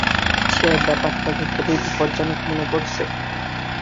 সে ব্যাপারটাকে খুবই বিপজ্জনক মনে করছে।